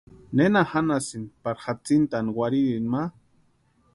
¿Nena janhasïni pari jatsintani warhirini ma?